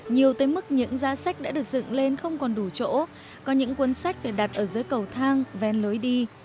nhiều tới mức những giá sách đã được dựng lên không còn đủ chỗ có những cuốn sách phải đặt ở dưới cầu thang ven lối đi